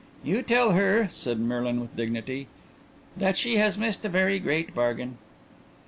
"You tell her," said Merlin with dignity, "that she has missed a very great bargain."